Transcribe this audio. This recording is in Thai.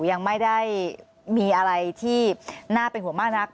ยังไม่ได้มีอะไรที่น่าเป็นห่วงมากนัก